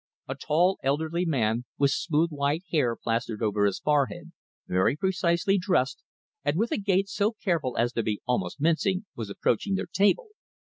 A tall, elderly man, with smooth white hair plastered over his forehead, very precisely dressed, and with a gait so careful as to be almost mincing, was approaching their table.